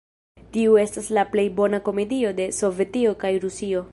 Tiu estas la plej bona komedio de Sovetio kaj Rusio!